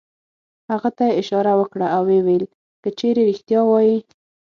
هغه ته یې اشاره وکړه او ویې ویل: که چېرې رېښتیا وایې.